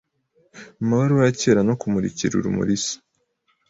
amabaruwa ya kera na kumurikira urumuri isi